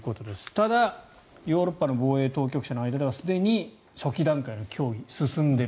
ただ、ヨーロッパの防衛当局者の間ではすでに初期段階の協議が進んでいる。